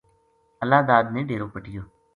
اللہ داد نے ڈیرو پَٹیو